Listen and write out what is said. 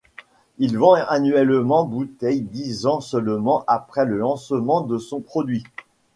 Il vend annuellement bouteilles dix ans seulement après le lancement de son produit.